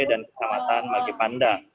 dan kisah matan magi panda